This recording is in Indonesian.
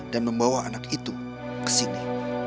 dan membawa anak itu kesini